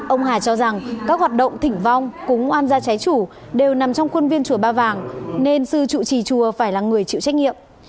ông hà cho rằng các hoạt động thỉnh vong cúng oan gia trái chủ đều nằm trong khuôn viên chùa ba vàng nên sư trụ trì chùa phải là người chịu trách nhiệm